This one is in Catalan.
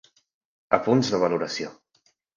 Apunts de valoració.